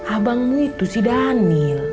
abangmu itu si daniel